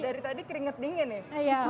dari tadi keringet dingin nih